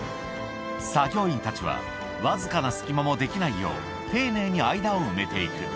作業員たちは、僅かな隙間も出来ないよう、丁寧に間を埋めていく。